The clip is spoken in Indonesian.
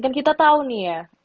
kan kita tahu nih ya